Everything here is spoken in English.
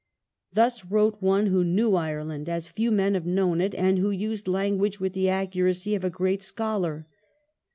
Thus wrote one who knew Ireland, as few men have known it, and who used language with the accuracy of a great scholar.